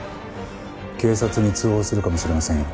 警察に通報するかもしれませんよ。